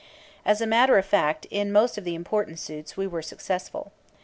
As a matter of fact, in most of the important suits we were successful.